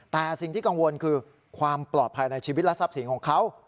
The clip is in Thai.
แต่สิ่งที่กังวลคือความปลอดภัยในชีวิตและทรัพย์สินของเขา